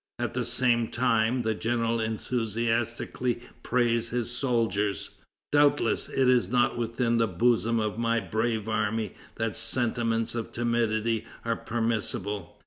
At the same time, the general enthusiastically praised his soldiers: "Doubtless it is not within the bosom of my brave army that sentiments of timidity are permissible.